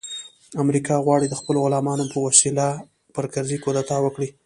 امریکا غواړي د خپلو غلامانو په وسیله پر کرزي کودتا وکړي